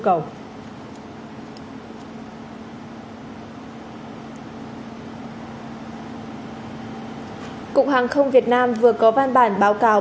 cục hàng không việt nam vừa có văn bản báo cáo